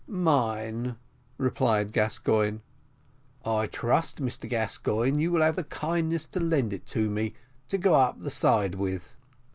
"Mine," replied Gascoigne. "I trust, Mr Gascoigne, you will have the kindness to lend it to me to go up the side with."